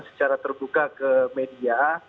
secara terbuka ke media